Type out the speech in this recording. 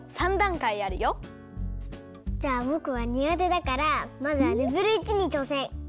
じゃあぼくはにがてだからまずはレベル１にちょうせん。